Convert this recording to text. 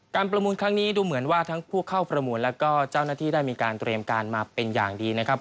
ประมูลครั้งนี้ดูเหมือนว่าทั้งผู้เข้าประมูลแล้วก็เจ้าหน้าที่ได้มีการเตรียมการมาเป็นอย่างดีนะครับ